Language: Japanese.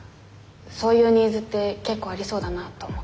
そういうニーズって結構ありそうだなと思って。